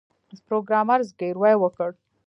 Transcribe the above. پروګرامر زګیروی وکړ